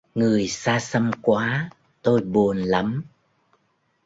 Người xa xăm quá!-Tôi buồn lắm